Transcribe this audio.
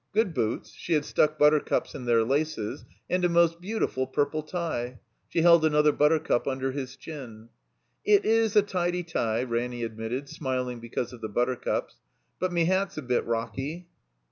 Good boots " (she had stuck buttercups in their laces) "and a most beautiful purple tie." (She held another buttercup imder his chin.) "It is a tidy tie," Ranny admitted, smiling be cause of the buttercups. "But me hat's a bit rocky."